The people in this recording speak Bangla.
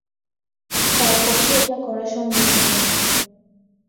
তাঁর পক্ষে এটা করা সম্ভব নয়।